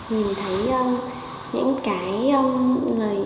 mình thấy những cái